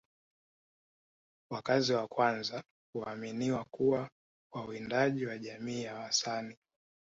Wakazi wa kwanza huaminiwa kuwa wawindaji wa jamii ya Wasani